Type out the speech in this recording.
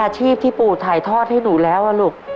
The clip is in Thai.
ชีพที่ปู่ถ่ายทอดให้หนูแล้วลูก